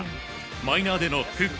マイナーでの復帰